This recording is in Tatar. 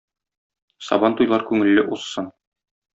Сабантуйлар күңелле узсын!